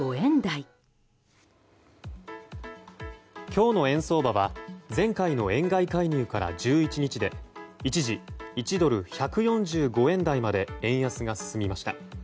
今日の円相場は前回の円買い介入から１１日で一時、１ドル＝１４５円台まで円安が進みました。